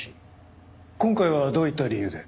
今回はどういった理由で？